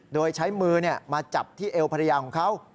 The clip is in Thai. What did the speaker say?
โดยใช้มือมาจับที่เอวภรรยาของเขา